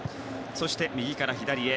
そして、右から左へ。